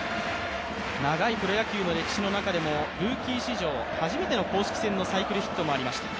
長いプロ野球の歴史の中でもルーキー史上での初めての公式戦でのサイクルヒットもありました。